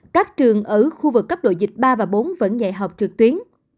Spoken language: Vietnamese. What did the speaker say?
các trường ở khu vực cấp độ dịch ba và bốn vẫn dạy học trực tuyến